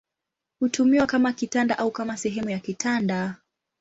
Hutumiwa kama kitanda au kama sehemu ya kitanda.